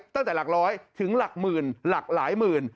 ตั้งแต่หลักร้อยถึงหลักหมื่นหลากหลายหมื่น